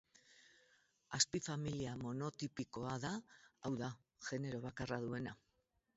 Azpifamilia monotipikoa da, hau da, genero bakarra duena.